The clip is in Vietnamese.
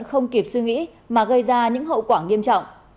không kịp suy nghĩ mà gây ra những hậu quả nghiêm trọng